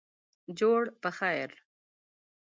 جوړ پخیر